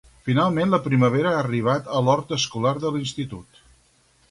Finalment la primavera ha arribat a l'hort escolar de l'Institut.